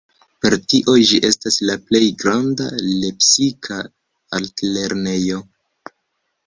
Per tio ĝi estas la plej granda lepsika altlernejo.